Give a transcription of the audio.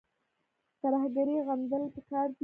ترهګري غندل پکار دي